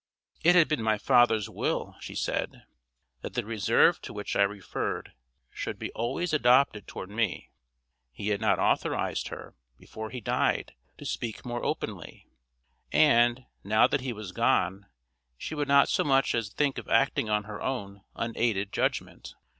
It had been my father's will, she said, that the reserve to which I referred should be always adopted toward me; he had not authorized her, before he died, to speak more openly; and, now that he was gone, she would not so much as think of acting on her own unaided judgment.